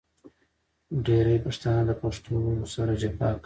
ډېری پښتانه د پښتو سره جفا کوي .